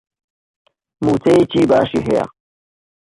مووچەیەکی باشی هەیە.